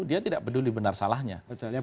dia tidak peduli benar salahnya